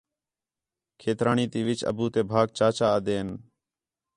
کھیترانی تی وِچ ابو تے بھاک چاچا آہدے ہین